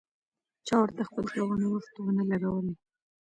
چا ورته خپل توان او وخت ونه لګولې.